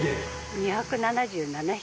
２７７匹？